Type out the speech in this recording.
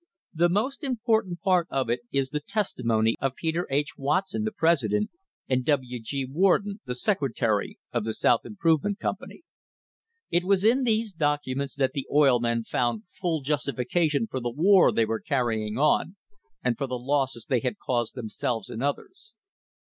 The most important part of it is the testimony of Peter H. Watson, the president, and W. G. Warden, the secretary of the South Improvement Company. It was in these documents that the oil men found iull justification for the war they were carrying on and or the losses they had caused themselves and others.